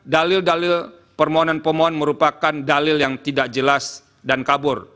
dalil dalil permohonan pemohon merupakan dalil yang tidak jelas dan kabur